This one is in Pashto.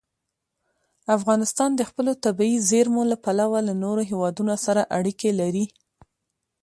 افغانستان د خپلو طبیعي زیرمو له پلوه له نورو هېوادونو سره اړیکې لري.